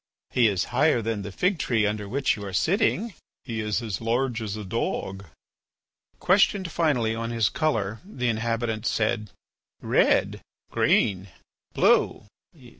"He is higher than the fig tree under which you are sitting." "He is as large as a dog." Questioned finally on his colour, the inhabitants said: "Red." "Green." "Blue."